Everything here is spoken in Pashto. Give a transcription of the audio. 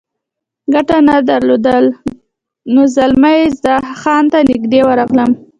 ګټه نه درلوده، نو زلمی خان ته نږدې ورغلم.